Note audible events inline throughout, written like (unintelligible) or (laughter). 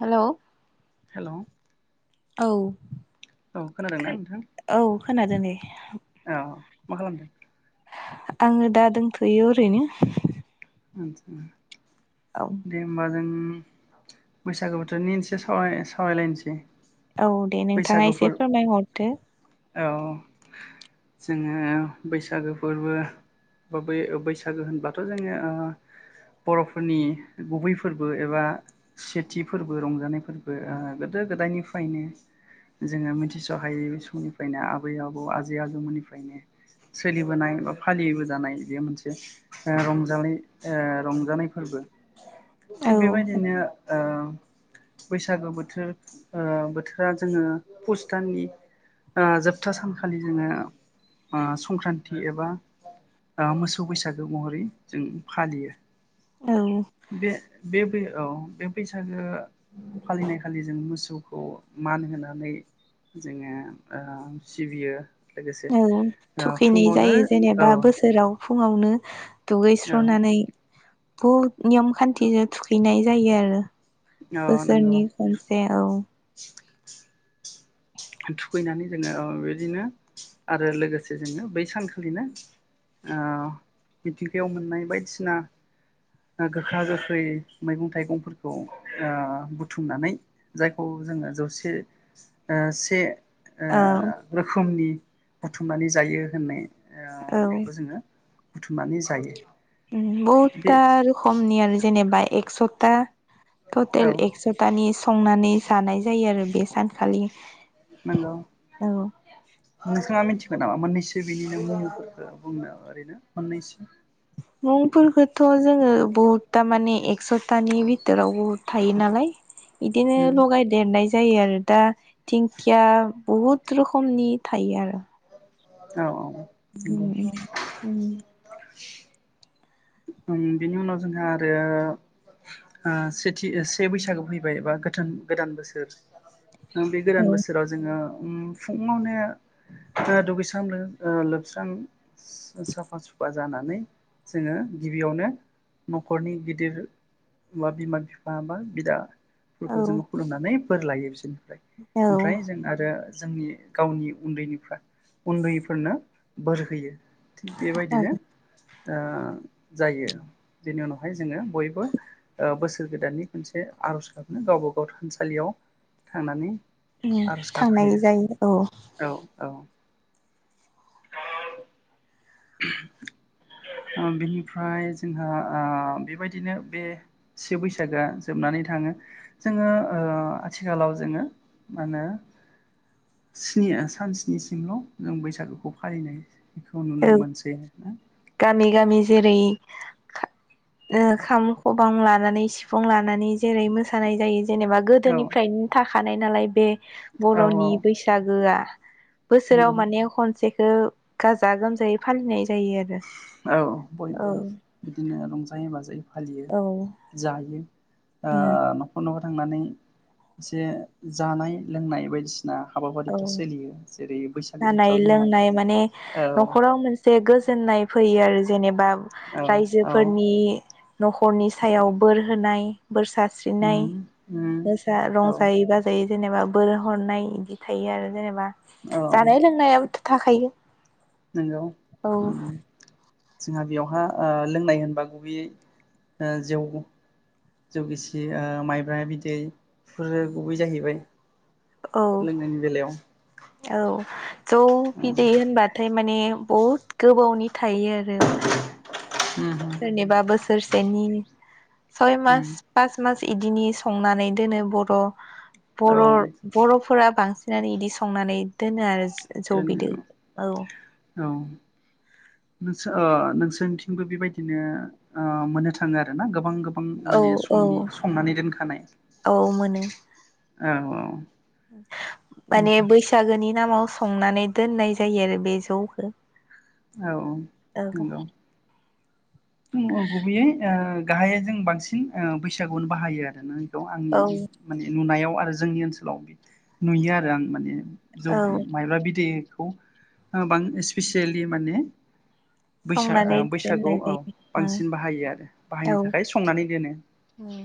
Hello hello औ नोंथां औ खोनादो नै औ मा खालामदों? आङो दा दोंथ'यो ओरैनो आदसा औ दे होमबा जों बैसागु बोथोरनि इनसे साव सावरायलायनोसै औ दे नोंथाङा बैसागोफोर एसे फोरमायहरदो औ जोङो बैसागो फोरबो बा बै बैसागो होनबाथ' जोङो ओ बर'फोरनि गुबै फोरबो एबा सेथि फोरबो रंजानाय फोरबो ओ गोदो गोदायनिफ्रायनो जोङो मिथिस'हायै बे समनिफ्रायनो आबै आबौ आजै आजौमोननिफ्रायनो सोलिबोनाय बा फालिबोजानाय बेयो मोनसे ओ रंजालि ओ रंजानाय फोरबो थिग औ बेबायदिनो ओ बैसागो बोथोर ओ बोथोरा जोङो पुस दाननि ओ जोबथा सानखालि जोङो ओ संक्रान्ति एबा ओ मोसौ बैसागो महरै जों फालियो औ बे (unintelligible) औ बे बैसागो फालिनायखालि जों मोसौखौ मान होनानै जोङो ओ सिबियो लोगोसे औ ओ थुखैनाय फुङावनो जायो औ जेनेबा बोसोराव फुङावनो औ दुगैस्र'नानै बहुद नियम खान्थिजों थुखैनाय जायो आरो औ नंगौ बोसोरनि खनसे औ थुखैनानै जोङो ओ बेदिनो आरो लोगोसे जोङो बै सानखालिनो ओ मिथिंगायाव मोननाय बायदिसिना गोखा गोखै मैगं थाइगंफोरखौ ओ बुथुमनानै जायखौ जोङो जौसे ओ से औ ओ रोखोमनि बुथुमनानै जायो होननाय औ ओ बेखौ जोङो बुथुमनानै जायो बे बहुतथा रोखमनि आरो जेनेबा एकस' था औ टटेल एकस'तानि सिं संनानै जानाय जायो आरो बे सानखालि नंगौ औ नोंथाङा मिथिगौ नामा मोननैसो बिनिनो मुंफोरखौ बुंनो ओरैनो मोननैसो मुंफोर थ' जोङो बहुदथा माने एकस' थानि बिथोराव बहुद थायो नालाय बिदिनो उम लगाय देरनाय जायो आरो दा दिंखिया बहुद रोखोमनि थायो आरो औ नंगौ उम उम ओम बेनि उनाव जोंहा आरो ओ सेथि से बैसागो फैबाय बा गोथोन गोदान बोसोर बे गोदान उम बोसोराव जोङो उम फुङावनो ओ दुगैस्रां ओ लोबस्रां साफा सुफा जानानै जोङो गिबियावनो न'खरनि गिदिर बा बिमा बिफा बा बिदा औ फोरखौ जोङो खुलुमनानै बोर लायो बिसोरो औ ओमफ्राय जों आरो जोंनि गावनि उन्दैनिफ्रा उन्दैफोरनो बोर होयो थिग बेबायदिनो ओ जायो बेनि उनावहाय जोङो बयबो ओ बोसोर गोदाननि खनसे आर'ज गाबनो गावबा गाव थानसालियाव थांनानै आर'ज थांनाय गाबहैयो जायो औ (inaudible) ओ बिनिफ्राय जोंहा ओ बेबायदिनो बे से बैसागोआ जोबनानै थाङो जोङो ओ आथिखालाव जोङो मा होनो स्नि सान स्निसिमल' जों बैसागोखौ फालिनाय बेखौ नुनो औ मोनसै ना गामि गामि जेरै खाम खबां लानानै सिफुं लानानै जेरै मोसानाय जायो जेनेबा औ गोदोनिफ्रायनो था खानाय नालाय बे औ औ बर'नि बैसागोआ बोसोराव नंगौ माने खनसे ओ गाज जा गोमजायै फालिनाय जायो आरो औ बयबो बिदिनो रं जाङै बाजायै फालियो औ जायो ओ न'खर न'खर थांनानै एसे जानाय लोंनाय बायदिसि दा हाबाफारिफ्रा औ सोलियो जेरै बैसाग जानाय लोंनाय माने न'खराव मोनसे गोजोननाय फैयो आरो जेनेबा औ औ रायजोफोरनि न'खरनि सायाव बोर होनाय बोर सारस्रिनाय उम उम गोसा औ रंजायै बाजायै जेनेबा बोर हरनाय इदि थायो आरो जेनेबा जानाय लोंनायावथ' थाखायो नोंगौ औ। जोंहा बेयावहा ओ लोंनाय होनबा गुबैय जौ जौ गिसि माइब्रा बिदै बेफोरो गुबै जाहैबाय औ लोंनायनि बेलायाव औ जौ बिदै होनबाथाय माने बहुत गोबावनि थायो आरो उम सोरनिबाबो सोरसेनि सय उम मास पास मास इदिनि संनानै दोनो बर' औ बर' बर'फोरा बांसिन बांसिनानो इदि संनानै दोनो आरो जौ दोनो बिदै औ नोंसोर ओ नोंसोर निथिंबो बेबायदिनो ओ मोननो थाङो आरो ना गोबां गोब बां औ माने औ समनि संनानै दोनखानाय औ औ माने बैसागोनि नामाव संनानै दोननाय जायो आरो बे जौखो औ औ नंगौ गुबैयै ओ गाहायै जों बांसिन ओ बैसागुआवनो बाहायो आरो ना खौ आंनि औ माने नुनायाव आरो जोंनि ओनसोलाव नुयो आरो आं माने जौ औ मायब्रा बिदै खौ बां स्पिसियेलि माने बैसा संनानै बैसागुआव दोननाय औ जायो बांसिन बाहायो आरो बाहायनो औ थाखाय संनानै दोनो उम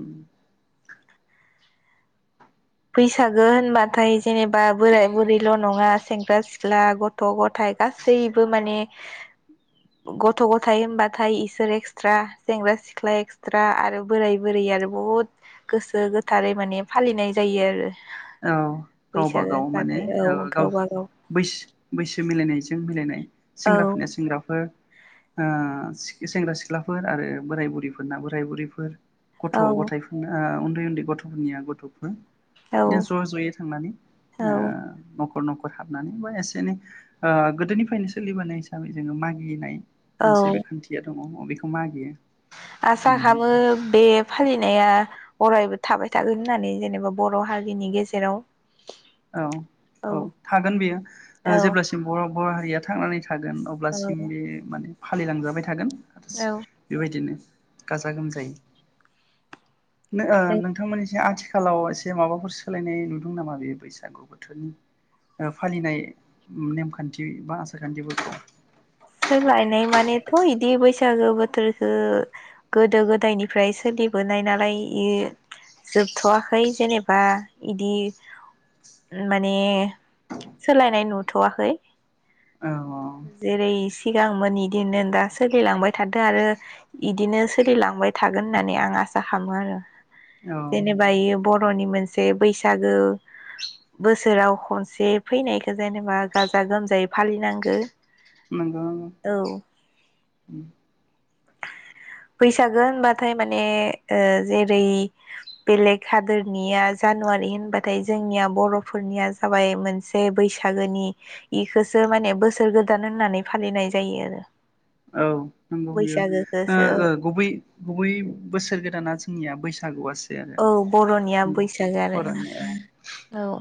उम बैसागो होनबाथाय जेनेबा बोराय बुरैल' नङा सेंग्रा सिख्ला गथ' गथायाइ गासैबो माने गथ' गथायाइ होनबाथाय इसोर एक्सट्रा सेंग्रा सिख्ला एक्सट्रा आरो बोराय बुरै आरो बहुद गोसो गोथारै माने फालिनाय जायो जायो आरो औ गावबा गाव माने होनबाथाय ओ औ गाव गावबा बैस बैसो मिलायनाय जायो जों मिलायनाय औ सेंग्राफोरनि सेंग्राफोर ओ सेंग्रा सिख्लाफोर आरो बोराय बुरैफोरना बोराय बुरैफोर गथ' औ गथायफोरनाव उन्दै उन्दै गथ'फोरनिया गथ'फोर औ दियो ज' ज'यै थांनानै औ ओ न' खर न'खर हाबनानै बा एसे एनै ओ गोदोनिफ्रायनो सोलिबोनाय हिसाबै जोङो मागिनाय मोनसे बे औ खान्थिया दङ। अबेखौ मागियो आसा उम खामो बे फालिनाया अरायबो थाबाय थागोन होननानै जेनेबा बर' हारिनि गेजेराव औ औ थागोन बेयो ओ औ जेब्लासिम बर' बर' हारिया थांनानै थागोन अब्लासिम बे माने फालिलांजाबाय थागोन आरस औ बेबायदिनो गाजा गोमजायै नो ओ औ नोंथांमोननि जे आथि खालाव एसे माबाफोर सोलायनाय नुदों नामा बेयो बैसा सागु बोथोरनि ओ फालिनाय नेमखान्थि बा आसार खान्थिफोरखौ। सोलायनाय मानेथ' इदि बैसागो बोथोरखो गोदो गोदायनिफ्राय सोलिबोनाय नालाय इ जोबथ'वाखै जेनेबा इदि माने सोलायनाय नुथ'वाखै। औ जेरै सिगांमोन इदिनो दा सोलिलांबाय थादो आरो इदिनो सोलिलांबाय थागोन होननानै आं आसा खामो आरो। औ जेनेबा इ बर र'नि मोनसे बैसागो बोसोराव खनसे फैनायखो जेनेबा गाजा गोमजायै फालिनांगो। नंगौ औ बैसागो होनबाथाय माने ओ जेरै बेलेग हादोरनिया जानुवारि होनबाथाय जोंनिया बर'फोरनिया जाबाय मोनसे बैसागोनि इखौसो माने बोसोर गोदान होननानै फालिनाय जायो आरो। औ नोंगौ बियो बैसागोखौसो गुबै गुबै बोसोर गोदाना जोंनिया बैसा सागु आस औ बर'निया बैसागो आरो बर'नि औ औ।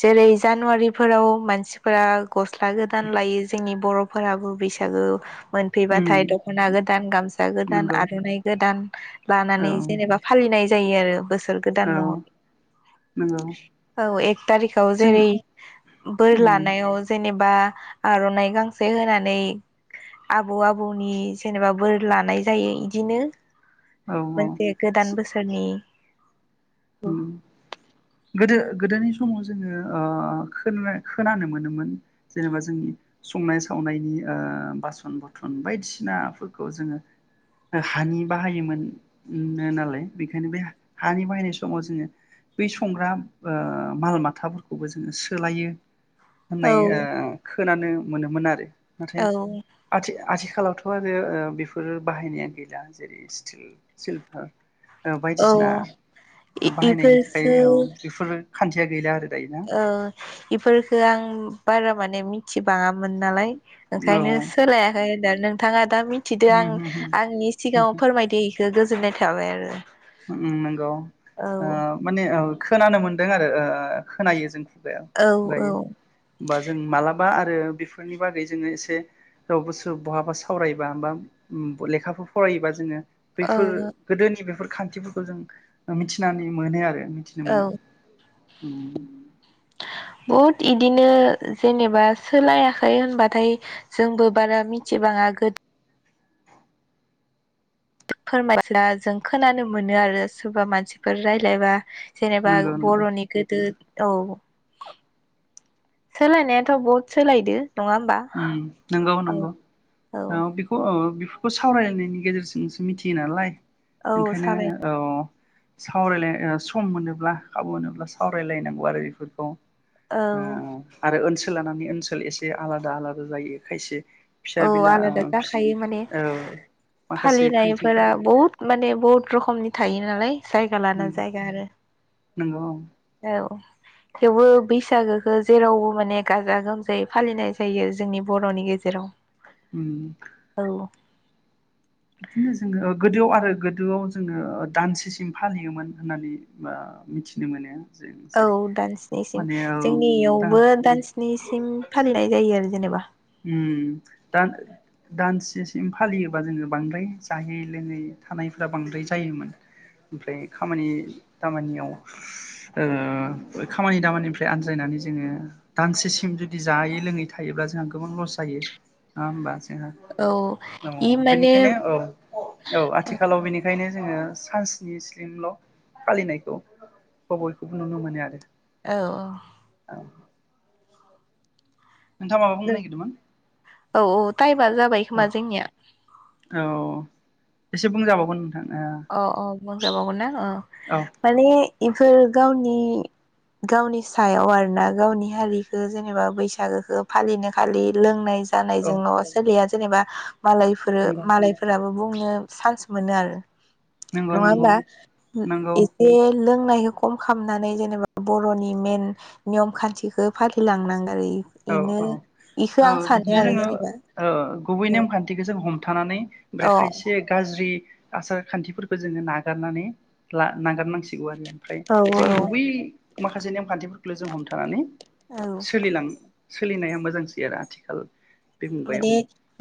जेरै जानुवारिफोराव मानसिफोरा गस्ला गोदान लायो जोंनि बर' फोराबो बैसागो उम मोनफैबाथाय दख'ना गोदान गामसा गोदान नंगौ आर'नाइ गोदान लानानै औ जेनेबा फालिनाय जायो आरो बोस सोर औ गोदान नंगौ महर औ एक थारिखाव जों जेरै बोर उम लानायाव जेने बा आर'नाइ गांसे होनानै आबौ आबौनि जेनेबा बोर लानाय जायो इदिनो। औ मोनसे गोदान बोस उम गोदो गोदोनि समाव जोङो ओ खोनानो मोनोमोन जेनेबा जोंनि संनाय सावनायनि ओ बासन बथन बायदिसिनाफोरखौ जोङो हानि बाहायोमोन नालाय बेनिखायनो बे हानि बाहायनाय स माव जोङो बै संग्रा ओ माल माथाफोरखौबो जोङो सोलायो औ होननाय ओ खोनानो मोनोमोन आरो नाथाय औ आथि आथि खालावथ' आरो बेफोर बाहायनाया गैला जेरै स्टिल सिलभार ओ औ बायदिसिना बाहायनायनि इफोरखो थाखाय औ बेफोर खान्थिया गैला आरो दायो ना औ इफोरखो आं बारा माने मिनथिबाङा मोन नालाय औ ओंखायनो सोलायाखै दा नोंथाङा दा मिथिदो आं उम उम उम आंनि सिगाङाव फोरमायदो गोजोननाय थाबाय आरो उम नंगौ औ ओ माने औ खोनानो मोन्दों आरो ओ खोनायो जों खुगा औ खुगायो औ होमबा जों माला मा आरो बेफोरनि बागै जोङो एसे रावबोसो बहाबा सावरायबा बा लेखाफोर फरायोबा जोङो बैफोर औ गोदोनि बेफोर फोरखौ जों मिथिनानै मोनो आरो मिथिनो औ मोनो औ बहुद इदिनो जेनेबा सोलायाखै होनबाथाय जोंबो बारा मिथिबाङा गोदो फोरमायब्ला जों खोनानो मोनो आरो सोरबा मानसिफोर रायलायबा जेनेबा नंगौ नंगौ बर'नि गोदो औ सोलायनायाथ' बहुद सोलायदो नङा होमबा उम नंगौ औ नंगौ औ बेखौ औ बेखौ सावरायलायनायनि गेजेरजोंसो मिथियो नालाय औ ओंखायनो सावराय औ सावरायला ओ सम मोनोब्ला खाबु मोनोब्ला सावरायलायनांगौ आरो बेफोरखौ ओ औ आरो ओन सोल लानानै ओनसोल एसे आलादा आलादा आलादा जायो खायसे फिसा औ बिला ओ आलादा जाखायो माने ओ माखासे फालिनायफोरा खान्थिफोरा बहुद माने बहुद रोखमनि थायो नालाय जायगा लाना नंगौ जायगा आरो नंगौ बे जेरावबो माने गाजा गोमजायै फालिनाय जायो जोंनि बर'नि गेजेराव उम औ बिदिनो जोङो गोदोआव आरो गोदोआव जोङो दानसेसिम फालियोमोन होननानै आ मिथिनो मोनो जों औ जेरै दान्सनिसिम माने औ दा जोंनियावबो दान्सनिसिम फालिनाय जायो आरो जेनेबा उम दानसेसिम फालियोबा जोङो बांद्राय जायै लोङै थानायफ्रा बांद्राय जायोमोन ओमफ्राय खामानि दामानियाव ओ खामानि दामानिनिफ्राय आनज्रायनानै जोङो दानसेसिम जुदि जायै लोङै थायोब्ला जोंहा गोबां लस जायो नङा होमबा औ ओ औ इ माने बेनिखायनो औ औ आथिखालाव बेनिखायनो जोङो सानसिनि स्लिमल' फालिनायखौ ब बयखौबो नुनो मोनो आरो औ औ औ नोंथाङा माबा बुंनो नागिरदोंमोन औ औ ताय मा जाबाय औ खोमा जोंनिया औ एसे बुंजाबावगोन नोंथां अ अ बुंजाबावगोनना अ ओ औ माने इफोर गावनि गावनि सायाव आरोना गावनि हारिखौ जेनेबा बैसागोखौ फालिनो खालि लोंनाय जानाय औ जोंल सोलिया जेनेबा मालायफोर नंगौ मालायफोराबो बुं नो सान्स मोनो आरो नंगौ नङा नंगौ होमबा नंगौ एसे लों खम खालामनानै जेनेबा बर'नि मेन नियम खान्थिखौ फालिलांनांगोन औ औ सानो बिदिनो आरो जोङो जेनेबा गुबै नेमखान्थिखौ जों हम थानानै ओमफ्राय औ खायसे गाज्रि आसार खान्थिफोरखौ जोङो नागारनानै नागारनांगौ मिथिगौ आरो ओमफ्राय औ औ जोंनि गुबै माखासे नेमखान्थिफोरखौल जों हमथानानै औ सोलिलां सोलिनाया मोजांसै आरो आथिखाल बे मुगायाव माने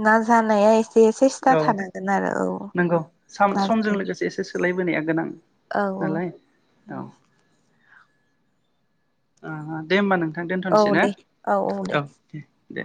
नाजानाया एसे सेस्था औ थानांगोन आरो औ नानाय बोनाया गोनां औ औ नालाय औ ओ ओ दे होमबा नों औ दे औ औ दे दे